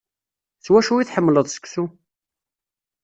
S wacu i tḥemmleḍ seksu?